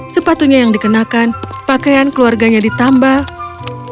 sepatunya yang dikenakan pakaian keluarganya ditambal